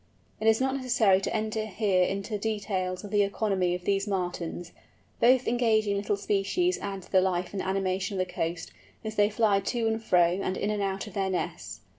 It is not necessary to enter here into details of the economy of these Martins. Both engaging little species add to the life and animation of the coast, as they fly to and fro and in and out of their nests.